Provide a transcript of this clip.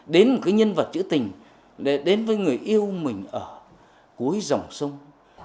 đến một cái nhân vật trữ tình đến với người yêu mình ở cuối dòng sông